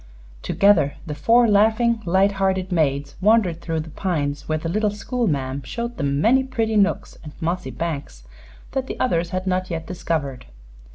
Together the four laughing, light hearted maids wandered through the pines, where the little school ma'am showed them many pretty nooks and mossy banks that the others had not yet discovered.